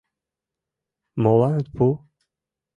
Молан от пу?